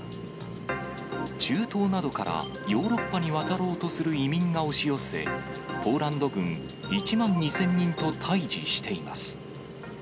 中東などからヨーロッパに渡ろうとする移民が押し寄せ、ポーランド軍１万２０００人と対じしています。